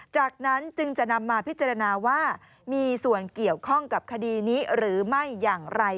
จากนั้นจึงจะนำมาพิจารณาว่ามีส่วนเกี่ยวข้องกับคดีนี้หรือไม่อย่างไร